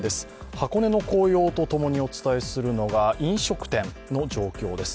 箱根の紅葉とともにお伝えするのが飲食店の状況です。